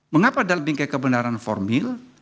mengapa dalam bingkai kebenaran formil